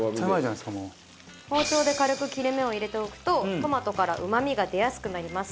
包丁で軽く切れ目を入れておくとトマトからうまみが出やすくなります。